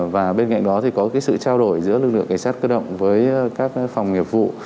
và bên cạnh đó thì có cái sự trao đổi giữa lực lượng cảnh sát cơ động với các phòng nghiệp vụ